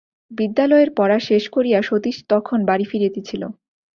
বিদ্যালয়ের পড়া শেষ করিয়া সতীশ তখন বাড়ি ফিরিতেছিল।